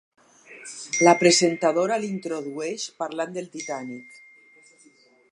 La presentadora l'introdueix parlant del Titànic.